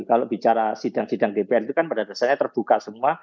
kalau bicara sidang sidang dpr itu kan pada dasarnya terbuka semua